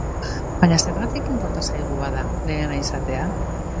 Baina zergatik inporta zaigu, bada, lehena izatea?